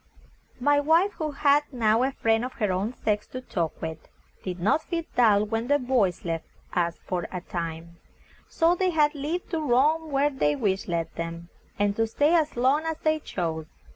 My wife, who had now a friend of her own sex to talk with, did not feel dull when the boys left us for a time, so they had leave to roam where their wish led them, and to stay as long as they chose.